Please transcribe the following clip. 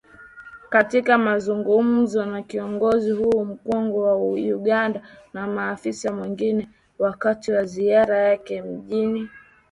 Katika mazungumzo na kiongozi huyo mkongwe wa Uganda na maafisa wengine wakati wa ziara yake mjini kampala